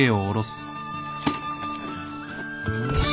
よし。